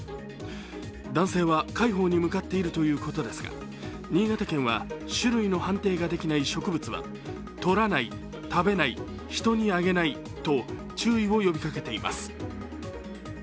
男性は快方に向かっているということですが新潟県は、種類の判定ができない植物は、採らない、食べない、人にあげないと注意を呼びかけています。